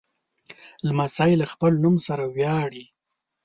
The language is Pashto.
لمسی له خپل نوم سره ویاړي.